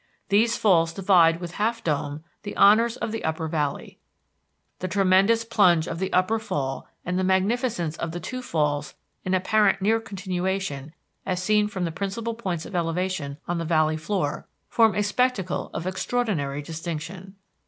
These falls divide with Half Dome the honors of the upper Valley. The tremendous plunge of the Upper Fall, and the magnificence of the two falls in apparent near continuation as seen from the principal points of elevation on the valley floor, form a spectacle of extraordinary distinction.